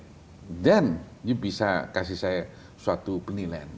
kemudian anda bisa kasih saya suatu penilaian